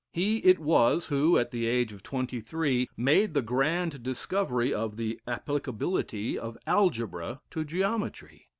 He it was who, at the age of twenty three, made the grand discovery of the applicability of algebra to geometry.